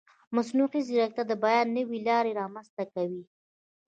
مصنوعي ځیرکتیا د بیان نوې لارې رامنځته کوي.